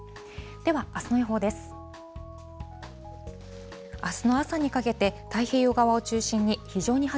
ではあすの予報です。